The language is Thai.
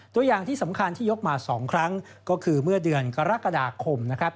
ตัวอย่างที่สำคัญที่ยกมา๒ครั้งก็คือเมื่อเดือนกรกฎาคมนะครับ